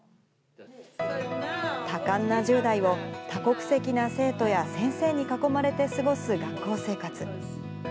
多感な１０代を、多国籍な生徒や先生に囲まれて過ごす学校生活。